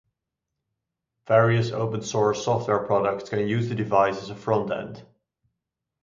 Various open source software products can use the device as a front-end.